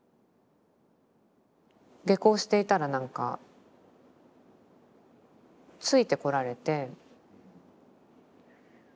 下校していたらなんかついてこられて。